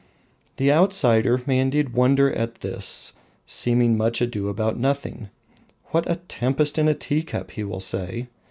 The outsider may indeed wonder at this seeming much ado about nothing. What a tempest in a tea cup! he will say.